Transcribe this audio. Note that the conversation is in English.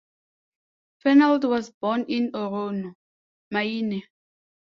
Fernald was born in Orono, Maine.